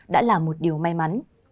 đã là một điều may mắn